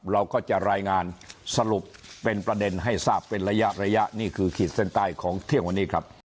เราก็จะรายงานสรุปเป็นประเด็นให้ทราบเป็นระยะระยะนี่คือขีดเส้นใต้ของเที่ยงวันนี้ครับ